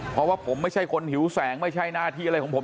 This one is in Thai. เพราะว่าผมไม่ใช่คนหิวแสงไม่ใช่หน้าที่อะไรของผม